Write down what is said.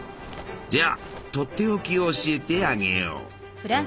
じゃあとっておきを教えてあげよう。